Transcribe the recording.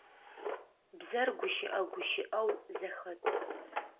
Бзэр гущыӏэ гущыӏэу зэхэт.